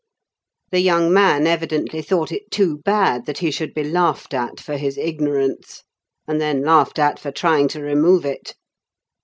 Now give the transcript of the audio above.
The young man evidently thought it too bad that he should be laughed at for his ignorance, and then laughed at for trying to remove it.